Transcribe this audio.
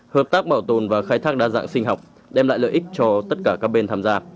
hợp tác bảo tồn và khai thác đa dạng sinh học đem lại lợi ích cho tất cả các bên tham gia